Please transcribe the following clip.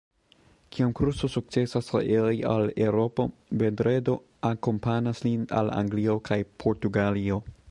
Kiam Crusoe sukcesas reiri al Eŭropo, Vendredo akompanas lin al Anglio kaj Portugalio.